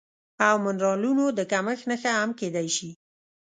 او منرالونو د کمښت نښه هم کیدی شي